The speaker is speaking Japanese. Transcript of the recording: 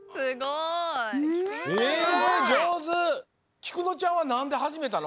きくのちゃんはなんではじめたの？